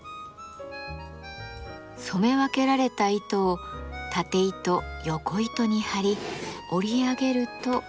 染め分けられた糸をたて糸よこ糸に張り織り上げると。